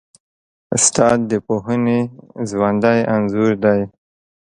استاد د پوهنې ژوندی انځور دی.